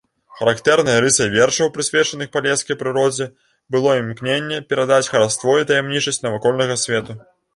Характэрнай рысай вершаў, прысвечаных палескай прыродзе, было імкненне перадаць хараство і таямнічасць навакольнага свету.